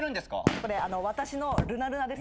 これ私のルナルナです。